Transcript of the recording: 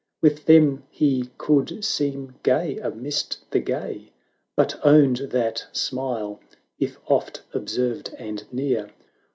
With them he could seem gay amidst the gay; But owned that smile, if oft observed and near.